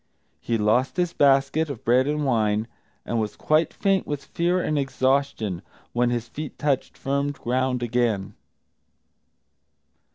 He lost his basket of bread and wine, and was quite faint with fear and exhaustion when his feet touched firm ground again.